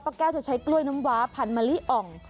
แก้วจะใช้กล้วยน้ำว้าพันมะลิอ่อง